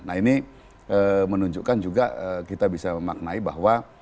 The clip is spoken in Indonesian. nah ini menunjukkan juga kita bisa memaknai bahwa